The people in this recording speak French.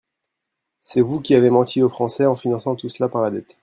C’est vous qui avez menti aux Français en finançant tout cela par la dette